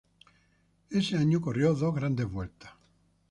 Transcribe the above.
Ese año corrió dos grandes vueltas.